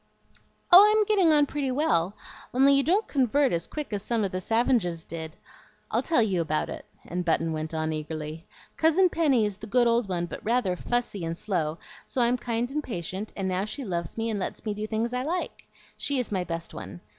"Oh, I'm getting on pretty well, only you don't CONVERT as quick as some of the savinges did. I'll tell you about it;" and Button went on eagerly. "Cousin Penny is the good old one, but rather fussy and slow, so I'm kind and patient, and now she loves me and lets me do things I like. She is my best one.